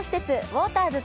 ウォーターズ